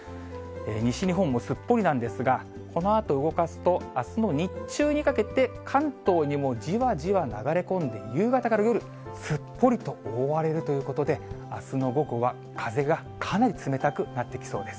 西日本もすっぽりなんですが、このあと動かすと、あすの日中にかけて、関東にもじわじわ流れ込んで、夕方から夜、すっぽりと覆われるということで、あすの午後は風がかなり冷たくなってきそうです。